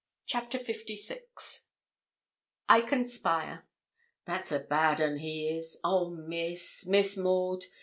CHAPTER LVI I CONSPIRE 'That's a bad un, he is oh, Miss, Miss Maud!